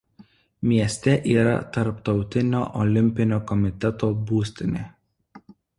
Mieste yra Tarptautinio olimpinio komiteto būstinė.